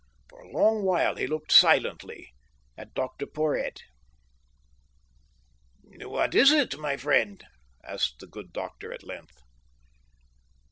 For a long while he looked silently at Dr. Porhoët. "What is it, my friend?" asked the good doctor at length.